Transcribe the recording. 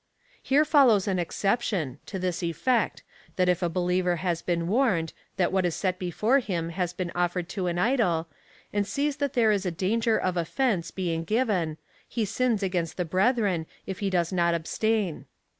Here follows an exception, to this effect, that if a believer has been warned, that what is set before him has been offered to an idol, and sees that there is a danger of offence being given, he sins against the brethren if he does not abstain.